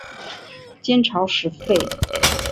金朝时废。